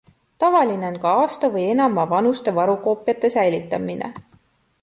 Tavaline on ka aasta või enama vanuste varukoopiate säilitamine.